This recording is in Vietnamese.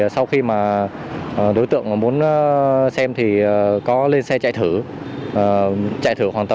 sau khi đối tượng muốn xem tôi lên xe chạy thử